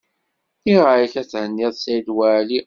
Nniɣ-ak ad thenniḍ Saɛid Waɛli.